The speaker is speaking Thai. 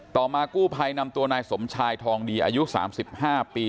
ต่อมากู้ภัยนำตัวนายสมชายทองดีอายุสามสิบห้าปี